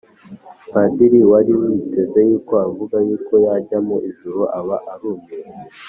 padiri wari witeze yuko avuga yuko yajya mu ijuru, aba arumiwe,